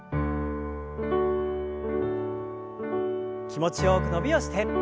気持ちよく伸びをして。